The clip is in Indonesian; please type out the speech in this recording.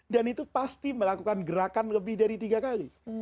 dan itu pasti melakukan gerakan lebih dari tiga kali